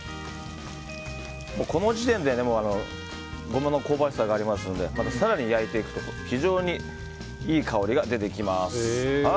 この時点でゴマの香ばしさがありますので更に焼いていくと非常にいい香りが出てきます。